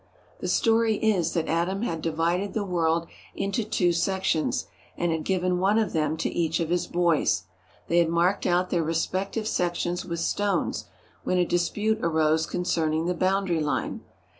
The story is that Adam had divided the world into two sections and had given one of them to each of his boys. They had marked out their respective sections with stones, when a dispute arose concerning the boundary line.